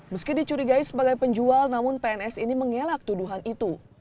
meski dicurigai sebagai penjual namun pns ini mengelak tuduhan itu